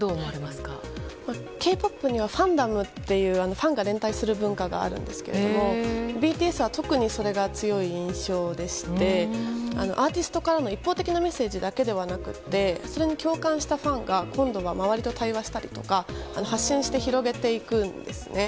Ｋ‐ＰＯＰにはファンダムというファンが連帯する文化があるんですけどもＢＴＳは特にそれが強い印象でしてアーティストからの一方的なメッセージだけではなくてそれに共感したファンが今度は周りと対話したりとか発信して広げていくんですね。